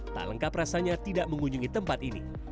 tak lengkap rasanya tidak mengunjungi tempat ini